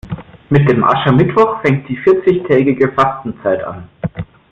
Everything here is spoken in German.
Mit dem Aschermittwoch fängt die vierzigtägige Fastenzeit an.